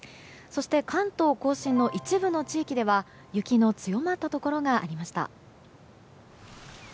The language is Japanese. そして関東・甲信の一部の地域では雪の強まったところがありました。